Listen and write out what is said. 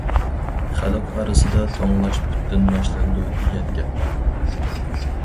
خەلق ئارىسىدا‹‹ توڭلاش پۇتتىن باشلىنىدۇ›› دېگەن گەپ بار.